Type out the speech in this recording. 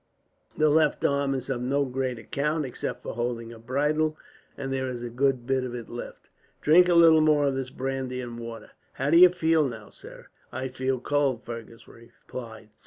The left arm is of no great account, except for holding a bridle; and there is a good bit of it left. "Drink a little more of this brandy and water. How do you feel now, sir?" "I feel cold," Fergus replied.